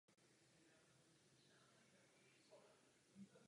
Kromě ilustrací řady knih a komiksů navrhl několik obalů hudebních alb.